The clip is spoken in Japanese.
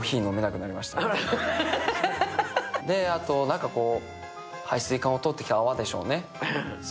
あと、排水管を通ってきた泡でしょうね。